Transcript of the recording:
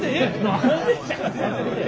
何で！